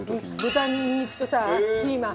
豚肉とさピーマン。